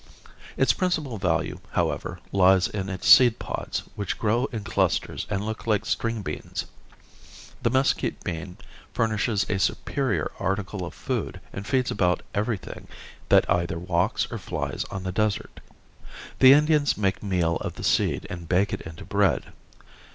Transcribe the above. Its principal value, however, lies in its seed pods, which grow in clusters and look like string beans. The mesquite bean furnishes a superior article of food and feeds about everything that either walks or flies on the desert. The Indians make meal of the seed and bake it into bread.